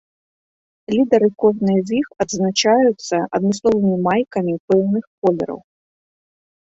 Лідары кожнай з іх адзначаюцца адмысловымі майкамі пэўных колераў.